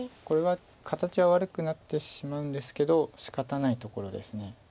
これは形は悪くなってしまうんですけどしかたないところです。